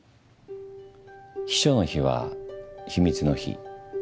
秘書の秘は秘密の秘。